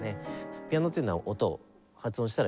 ピアノというのは音を発音したら減衰する。